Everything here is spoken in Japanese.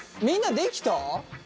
みんなできた？